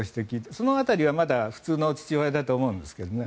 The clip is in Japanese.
その辺りは、まだ普通の父親だと思うんですけどね。